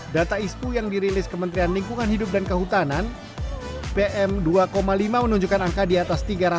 data ispu yang dirilis kementerian lingkungan hidup dan kehutanan pm dua lima menunjukkan angka di atas tiga ratus